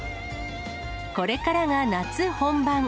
これからが夏本番。